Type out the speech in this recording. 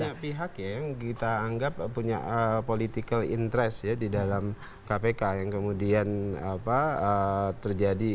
banyak pihak ya yang kita anggap punya political interest ya di dalam kpk yang kemudian terjadi